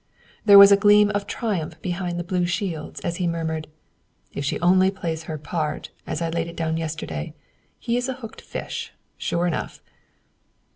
There was a gleam of triumph behind the blue shields as he murmured, "If she only plays her part as I laid it down yesterday, he is a hooked fish, sure enough."